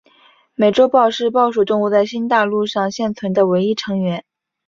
美洲豹是豹属动物在新大陆上现存的唯一成员。